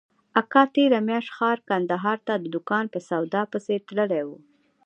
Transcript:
اکا تېره مياشت ښار کندهار ته د دوکان په سودا پسې تللى و.